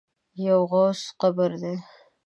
د یوه غوث قبر دی.